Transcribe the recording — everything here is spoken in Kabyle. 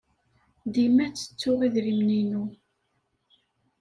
Dima ttettuɣ idrimen-inu.